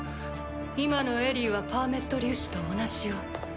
今のエリィはパーメット粒子と同じよ。